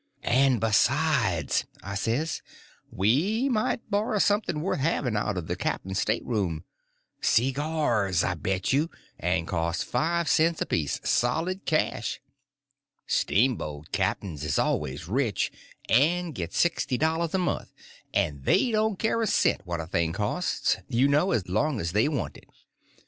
"And besides," I says, "we might borrow something worth having out of the captain's stateroom. Seegars, I bet you—and cost five cents apiece, solid cash. Steamboat captains is always rich, and get sixty dollars a month, and they don't care a cent what a thing costs, you know, long as they want it.